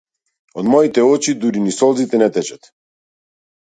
Од моите очи дури ни солзите не течат.